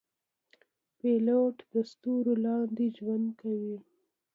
پیلوټ د ستورو لاندې ژوند کوي.